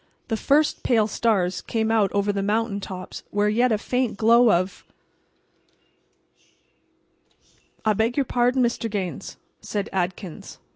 The first pale stars came out over the mountain tops where yet a faint glow of— "I beg your pardon, Mr. Gaines," said Adkins.